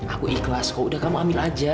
aku ikhlas kok udah kamu ambil aja